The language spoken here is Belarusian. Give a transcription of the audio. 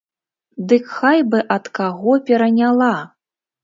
Дык хай бы ад каго пераняла.